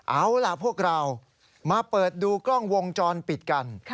เอาล่ะพวกเรามาเปิดดูกล้องวงจรปิดกัน